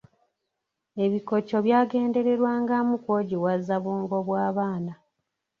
Ebikoco byagendererwangamu kwogiwaza bwongo bw'abaana.